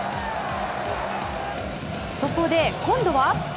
そこで今度は。